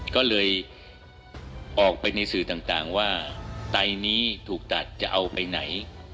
ก็เลยออกไปในสื่อต่างว่าไตนี้ถูกตัดจะเอาไปไหน